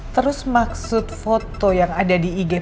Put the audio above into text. terus maksud foto yang ada di ig pangeran